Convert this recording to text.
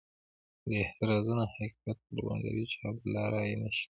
دا اعتراضونه حقیقت بربنډوي چې عبدالله رایې نه شي ګټلای.